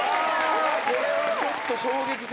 これはちょっと衝撃作。